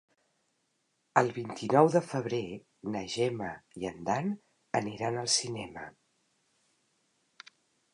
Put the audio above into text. El vint-i-nou de febrer na Gemma i en Dan aniran al cinema.